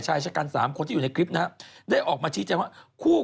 ชายชะกันสามคนที่อยู่ในคลิปนะฮะได้ออกมาชี้แจงว่าคู่